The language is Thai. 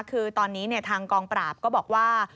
คือตอนนี้ทางกองปราบก็บอกว่า